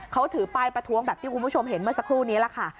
เขาถือป้ายประท้วงแบบที่คุณผู้ชมเห็นเมื่อสักครู่นี้แหละค่ะ